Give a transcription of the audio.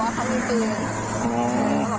เขาบอกว่าเขาอยู่ตรงนี้